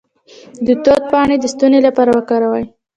د توت پاڼې د ستوني لپاره وکاروئ